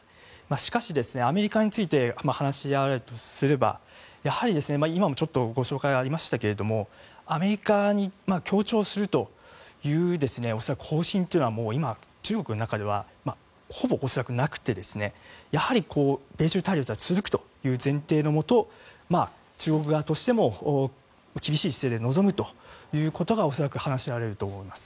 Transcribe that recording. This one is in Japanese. しかし、アメリカについて話し合われるとすればやはり、今もちょっとご紹介がありましたがアメリカに協調するという恐らく、方針というのは今、中国の中ではほぼ、恐らくなくて、やはり米中対立は続くという前提のもと中国側としても厳しい姿勢で臨むというのが恐らく話し合われると思います。